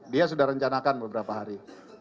dia sudah rencanakan beberapa hari